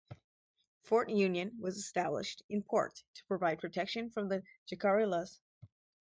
Fort Union was established, in part, to provide protection from the Jicarillas.